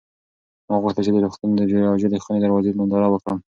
ما غوښتل چې د روغتون د عاجلې خونې د دروازې ننداره وکړم.